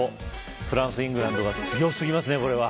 フランス、イングランドが強すぎますね、これは。